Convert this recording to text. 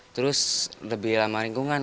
terus lebih ramah lingkungan